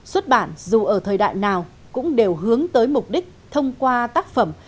xuất bản dù ở thời đại nào cũng đều hướng tới mục đích thông qua tác phẩm